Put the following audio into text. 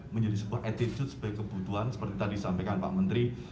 menjadi sebuah attitude sebagai kebutuhan seperti tadi sampaikan pak menteri